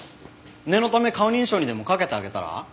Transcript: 念のため顔認証にでもかけてあげたら？